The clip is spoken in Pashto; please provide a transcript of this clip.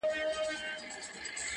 خپل ترمنځه له یو بل سره لوبېږي-